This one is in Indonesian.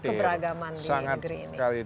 keberagaman di negeri ini sangat sekali